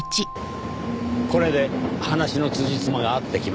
これで話のつじつまが合ってきました。